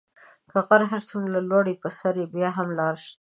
که غر هر څومره لوړ وي په سر یې بیا هم لاره شته .